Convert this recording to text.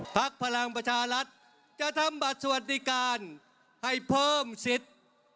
พลังประชารัฐจะทำบัตรสวัสดิการให้เพิ่มสิทธิ์